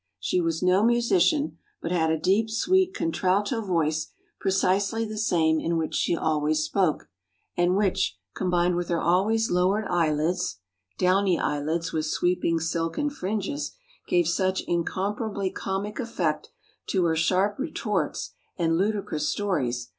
She was no musician, but had a deep, sweet contralto voice, precisely the same in which she always spoke, and which, combined with her always lowered eyelids ('downy eyelids' with sweeping silken fringes), gave such incomparably comic effect to her sharp retorts and ludicrous stories....